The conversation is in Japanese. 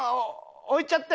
置いちゃっても。